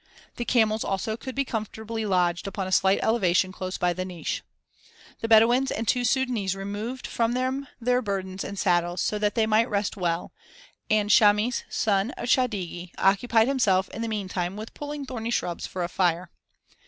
The camels also could be comfortably lodged upon a slight elevation close by the niche. The Bedouins and two Sudânese removed from them their burdens and saddles, so that they might rest well, and Chamis, son of Chadigi, occupied himself in the meantime with pulling thorny shrubs for a fire.